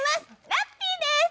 ラッピーです！